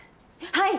はい！